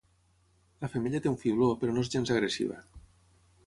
La femella té un fibló però no és gens agressiva.